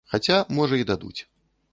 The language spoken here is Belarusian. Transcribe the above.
Хаця, можа, і дадуць.